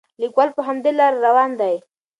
لیکوال په همدې لاره روان دی.